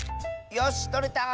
よしとれた！